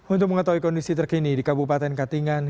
untuk mengetahui kondisi terkini di kabupaten katingan